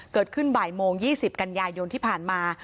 เกิดขึ้นบ่ายโมง๒๐กันยายนที่ผ่านมา